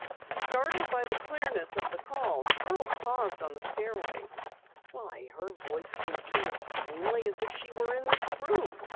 Startled by the clearness of the call, the girls paused on the stairway. "Why, her voice came through as plainly as if she were in this room!"